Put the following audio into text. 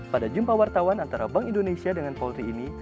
pada jumpa wartawan antara bank indonesia dengan polri ini